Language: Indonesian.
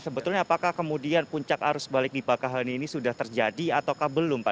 sebetulnya apakah kemudian puncak arus balik di pakali ini sudah terjadi atau belum pak